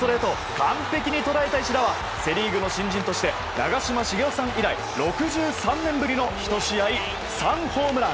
完璧に捉えた一打はセ・リーグの新人として長嶋茂雄さん以来６３年ぶりの１試合３ホームラン。